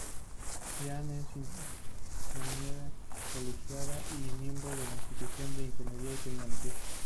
Jian es ingeniera colegiada y miembro de la Institución de Ingeniería y Tecnología.